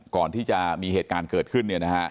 ก่อนที่จะมีเหตุการณ์เกิดขึ้น